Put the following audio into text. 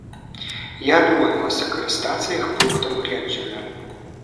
Я адмовілася карыстацца іх пунктам гледжання.